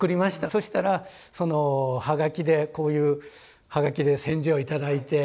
そしたらその葉書でこういう葉書で返事を頂いて。